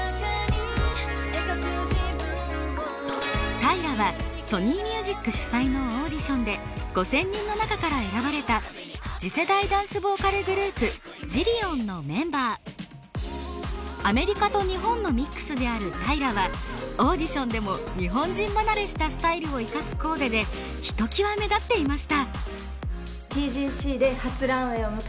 ＴＹＲＡはソニー・ミュージック主催のオーディションで５０００人の中から選ばれたアメリカと日本のミックスであるＴＹＲＡはオーディションでも日本人離れしたスタイルを生かすコーデでひときわ目立っていました。